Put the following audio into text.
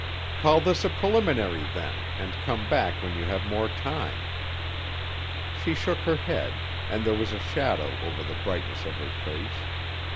"Call this a preliminary then, and come back when you have more time." She shook her head, and there was a shadow over the brightness of her face.